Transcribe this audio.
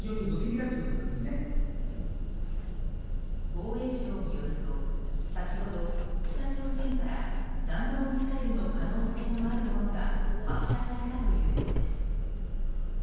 防衛省によると先ほど北朝鮮から弾道ミサイルの可能性のあるものが発射されたということです。